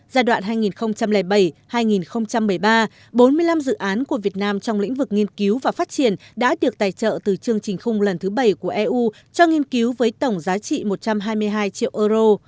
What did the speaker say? giai đoạn hai nghìn bảy hai nghìn một mươi ba bốn mươi năm dự án của việt nam trong lĩnh vực nghiên cứu và phát triển đã được tài trợ từ chương trình khung lần thứ bảy của eu cho nghiên cứu với tổng giá trị một trăm hai mươi hai triệu euro